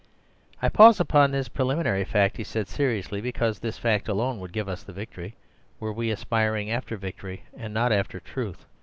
"I pause upon this pre liminary fact," he said seriously, "because this fact alone would give us the victory, were we aspiring after victory and not after truth.